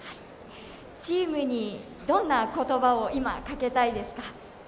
チームに、どんなことばを今、かけたいですか？